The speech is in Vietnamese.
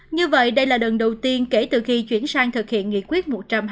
như vậy đây là lần đầu tiên kể từ khi chuyển sang thực hiện nghị quyết một trăm hai mươi